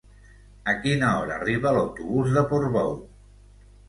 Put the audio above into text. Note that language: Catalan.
A quina hora arriba l'autobús de Portbou?